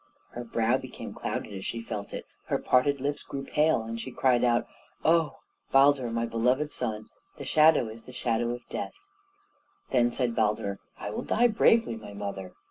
Her brow became clouded as she felt it; her parted lips grew pale, and she cried out, "Oh! Baldur, my beloved son! the shadow is the shadow of death!" Then said Baldur, "I will die bravely, my mother."